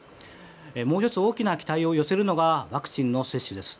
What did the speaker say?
もう１つ大きな期待を寄せるのがワクチンの接種です。